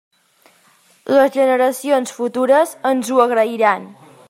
Les generacions futures ens ho agrairan.